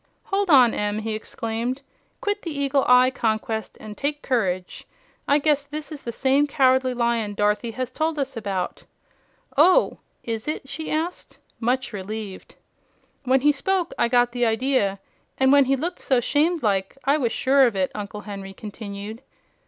"Hold on, Em!" he exclaimed. "Quit the eagle eye conquest an' take courage. I guess this is the same Cowardly Lion Dorothy has told us about." "Oh, is it?" she cried, much relieved. "When he spoke, I got the idea; and when he looked so 'shamed like, I was sure of it," Uncle Henry continued.